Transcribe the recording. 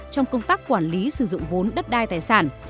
trong công tác quản lý sử dụng vốn đất đai tài sản